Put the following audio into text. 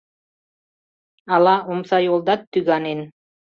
Ала омсайолдат тӱганен